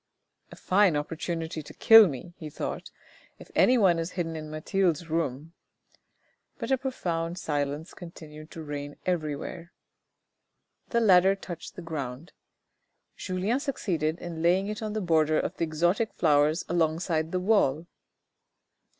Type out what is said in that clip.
" A fine opportunity to kill me," he thought, " if anyone is hidden in Mathilde's room ;" but a profound silence continued to reign everywhere. The ladder touched the ground. Julien succeeded in laying it on the border of the exotic flowers along side the wall.